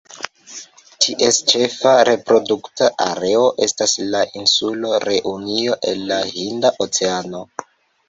Ties ĉefa reprodukta areo estas la insulo Reunio en la Hinda Oceano.